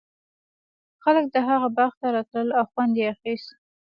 خلک د هغه باغ ته راتلل او خوند یې اخیست.